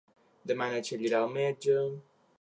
Demà na Txell irà al metge.